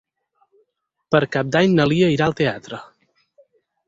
Per Cap d'Any na Lia irà al teatre.